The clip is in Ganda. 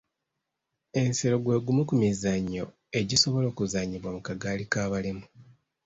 Ensero gw'egumu ku mizannyo egisobola okuzannyibwa mu kagaali k'abalema.